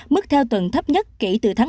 mức theo tuần thấp nhất kỹ từ tháng một